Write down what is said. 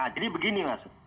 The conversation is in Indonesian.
jadi begini mas